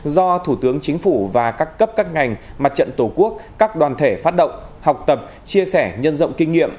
do thủ tướng chính phủ và các cấp các ngành mặt trận tổ quốc các đoàn thể phát động học tập chia sẻ nhân rộng kinh nghiệm